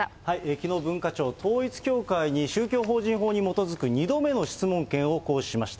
きのう、文化庁、統一教会に宗教法人法に基づく２度目の質問権を行使しました。